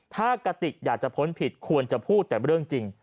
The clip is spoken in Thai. ถ้ากระติกอยากจะพ้นผิดควรจะพูดแต่เรื่องจริง